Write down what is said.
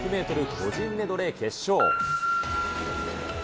個人メドレー決勝。